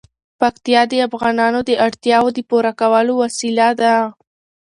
پکتیا د افغانانو د اړتیاوو د پوره کولو وسیله ده.